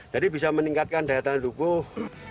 jadi bisa meningkatkan daya tahan lukuh